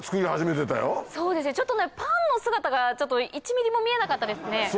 そうですねちょっとパンの姿が１ミリも見えなかったですね。